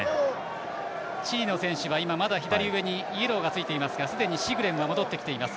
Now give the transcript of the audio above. チリの選手は左上にイエローがついていますがシグレンが戻ってきています。